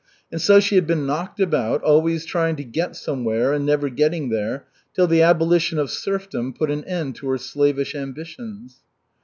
And so she had been knocked about, always trying to get somewhere and never getting there, till the abolition of serfdom put an end to her slavish ambitions.